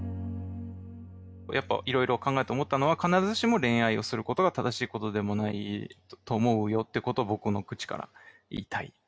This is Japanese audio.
やっぱいろいろ考えて思ったのは必ずしも恋愛をすることが正しいことでもないと思うよってことを僕の口から言いたい。